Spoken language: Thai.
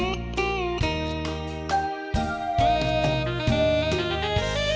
ขอโชคดีค่ะ